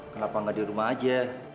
kenapa nggak di rumah aja